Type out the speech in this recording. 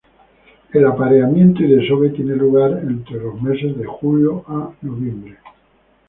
El apareamiento y desove tiene lugar entre los meses de julio a noviembre.